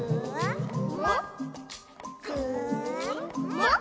「もっ？